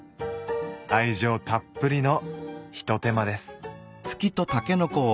愛情たっぷりのひと手間です。